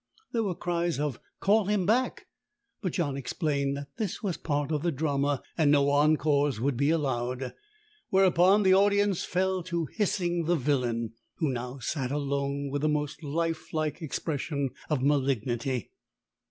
There were cries of "Call him back!" But John explained that this was part of the drama, and no encores would be allowed; whereupon the audience fell to hissing the villain, who now sat alone with the most lifelike expression of malignity.